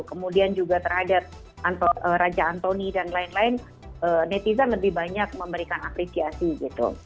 kemudian juga terhadap raja antoni dan lain lain netizen lebih banyak memberikan apresiasi gitu